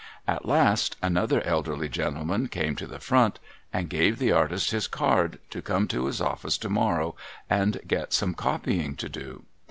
At last, another elderly gentleman came to the front, and gave the artist his card, to come to his office to morrow, and get some copying to do.